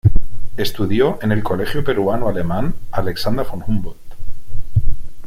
Estudió en el Colegio Peruano Alemán Alexander von Humboldt.